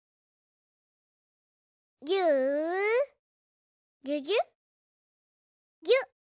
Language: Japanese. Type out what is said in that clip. ぎゅぎゅぎゅっぎゅ。